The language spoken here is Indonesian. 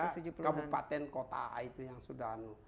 kabupaten kota itu yang sudah